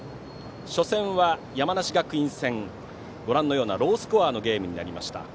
初戦は山梨学院戦ロースコアのゲームになりました。